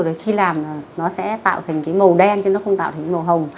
rồi khi làm nó sẽ tạo thành cái màu đen chứ nó không tạo thành màu hồng